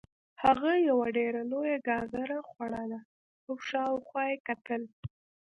هغه یوه ډیره لویه ګازره خوړله او شاوخوا یې کتل